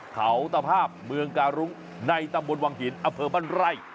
เขาตภาพเมืองกาลุ้งในตำบลวังหินอเฟอร์บรรไลน์